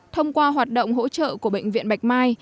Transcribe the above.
thông qua hoạt động hỗ trợ của bệnh viện bạch mai